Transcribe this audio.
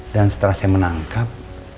dan setelah saya menangkap